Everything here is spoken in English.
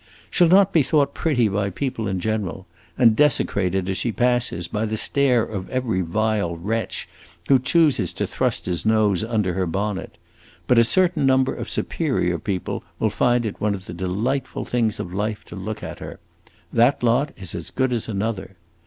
She 'll not be thought pretty by people in general, and desecrated, as she passes, by the stare of every vile wretch who chooses to thrust his nose under her bonnet; but a certain number of superior people will find it one of the delightful things of life to look at her. That lot is as good as another!